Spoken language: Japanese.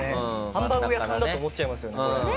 ハンバーグ屋さんだと思っちゃいますよね。